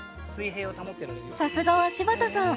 ［さすがは柴田さん。